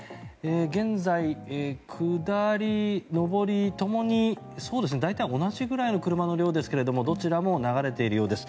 現在、下り上りともに大体同じくらいの車の量ですがどちらも流れているようです。